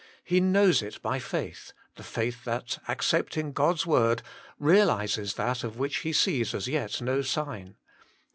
He knows it by faith, the faith that, accepting God s word, realises that of which he sees as yet no sign.